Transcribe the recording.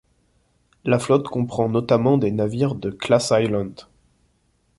La flotte comprend notamment des navires de Classe Island.